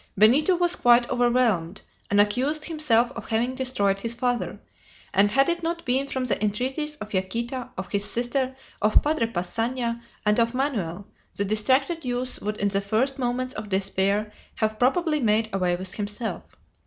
Benito was quite overwhelmed, and accused himself of having destroyed his father, and had it not been for the entreaties of Yaquita, of his sister, of Padre Passanha, and of Manoel, the distracted youth would in the first moments of despair have probably made away with himself.